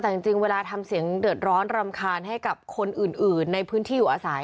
แต่จริงเวลาทำเสียงเดือดร้อนรำคาญให้กับคนอื่นในพื้นที่อยู่อาศัย